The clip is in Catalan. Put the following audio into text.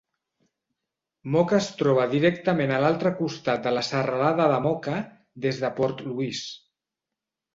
Moka es troba directament a l'altre costat de la serralada de Moka des de Port Louis.